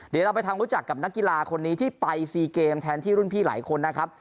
เดี๋ยวเราไปทำรู้จักกับนักกีฬาคนนี้ที่ไปซีเกมแทนที่รุ่นพี่หลายคนนะครับ